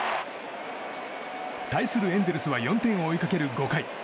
対するエンゼルスは４点を追いかける５回。